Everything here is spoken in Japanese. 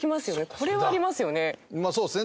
これはありますよね。